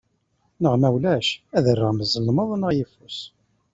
Neɣ ma ulac ad rreɣ zelmeḍ neɣ yeffus.